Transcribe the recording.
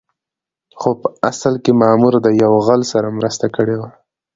خو په اصل کې مامور د يو غل سره مرسته کړې وه.